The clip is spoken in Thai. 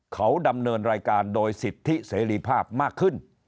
เขาดำเนินรายการโดยสิทธิเสรีภาพมากขึ้น